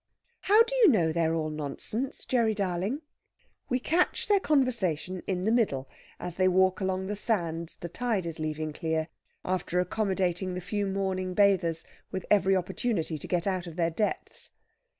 "How do you know they are all nonsense, Gerry darling?" We catch their conversation in the middle as they walk along the sands the tide is leaving clear, after accommodating the few morning bathers with every opportunity to get out of their depths.